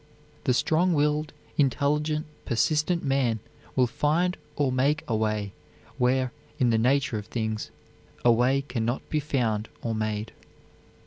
The strong willed, intelligent, persistent man will find or make a way where, in the nature of things, a way can be found or made.